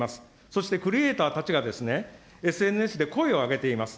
そして、クリエーターたちがＳＮＳで声を上げています。